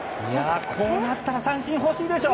こうなったら三振欲しいでしょう！